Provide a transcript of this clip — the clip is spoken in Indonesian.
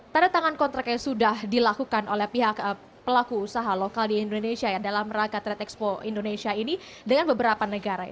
tanda tangan kontrak yang sudah dilakukan oleh pihak pelaku usaha lokal di indonesia ya dalam rangka trade expo indonesia ini dengan beberapa negara